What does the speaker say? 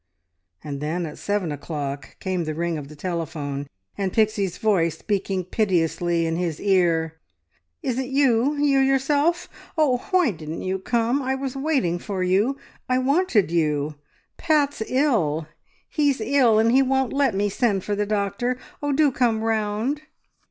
And then at seven o'clock came the ring of the telephone, and Pixie's voice speaking piteously in his ear "Is it you? You yourself? Oh, why didn't you come? I was waiting for you. I wanted you. Pat's ill! He's ill, and he won't let me send for the doctor. Oh, do come round!"